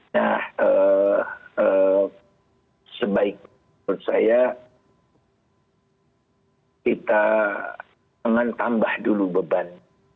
nah sebaik menurut saya kita menambah dulu beban